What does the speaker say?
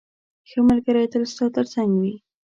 ښه ملګری تل ستا تر څنګ وي.